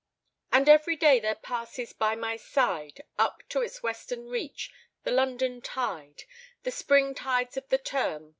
"And every day there passes by my side, Up to its western reach, the London tide The spring tides of the term.